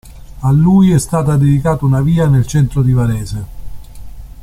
A lui è stata dedicata una via nel centro di Varese.